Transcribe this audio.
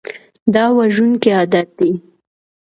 دا وژونکی عادت دی.